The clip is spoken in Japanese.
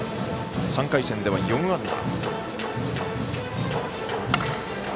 ３回戦では４安打。